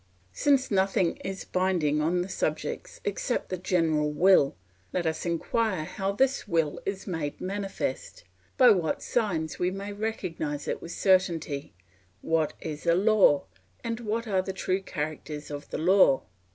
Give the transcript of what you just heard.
Since nothing is binding on the subjects except the general will, let us inquire how this will is made manifest, by what signs we may recognise it with certainty, what is a law, and what are the true characters of the law?